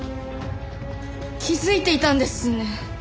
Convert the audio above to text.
気付いていたんですね。